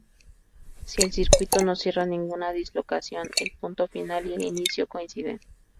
Si el circuito no cierra ninguna dislocación, el punto final y el inicial coinciden.